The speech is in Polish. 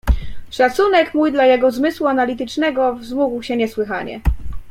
"Szacunek mój dla jego zmysłu analitycznego wzmógł się niesłychanie."